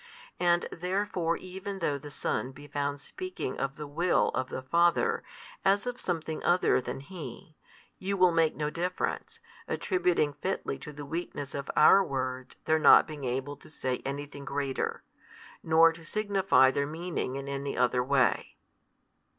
And therefore even though the Son be found speaking of the Will of the Father, as of something other than He, you will make no difference, attributing fitly to the weakness of our words their not being able to say any thing greater, nor to signify their meaning in any other way.